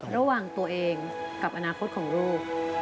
ระหว่างตัวเองกับอนาคตของลูก